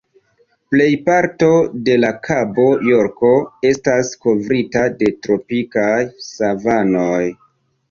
Plej parto de la Kabo Jorko estas kovrita de tropikaj savanoj.